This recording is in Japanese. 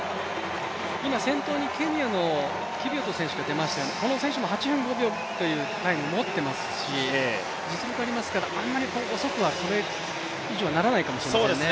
今、先頭にケニアのキビウォット選手が出ましたけどこの選手も８分５秒というタイム持っていますし、実力がありますから、これ以上はあまり遅くならないかもしれないです。